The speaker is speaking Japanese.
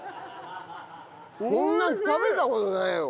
こんなの食べた事ないよ。